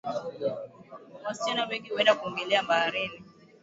Wasichana wengi huenda kuogelea baharini